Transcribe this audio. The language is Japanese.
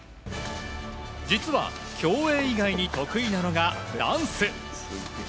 実は競泳以外に得意なのがダンス。